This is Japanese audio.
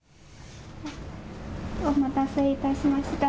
おまたせいたしました。